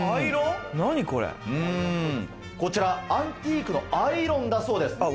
こちらアンティークのアイロンだそうです。